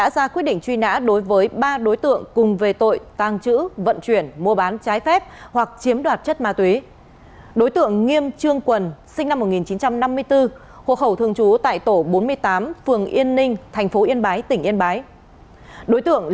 xin kính chào tạm biệt